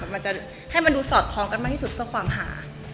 มันจะให้มันดูสอดคล้องกันมากที่สุดเพื่อความหา